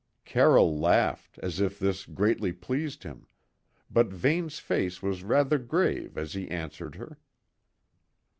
Carroll laughed, as if this greatly pleased him, but Vane's face was rather grave as he answered her.